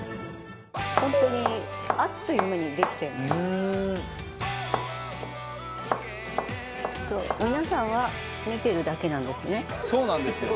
本当にあっという間にできちゃいます。